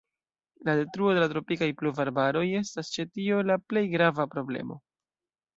La detruo de la tropikaj pluvarbaroj estas ĉe tio la plej grava problemo.